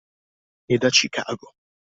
E da Chicago.